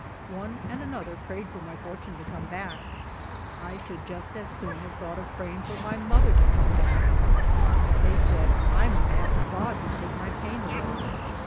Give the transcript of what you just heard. One and another prayed for my fortune to come back. I should just as soon have thoui^ht of praying for my mother to come back. They said I must ask God to take my pain away.